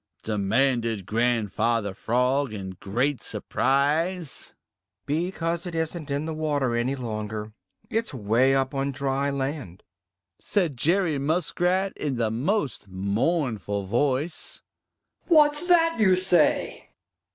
demanded Grandfather Frog in great surprise. "Because it isn't in the water any longer; it's way up on dry land," said Jerry Muskrat in the most mournful voice. "What's that you say?"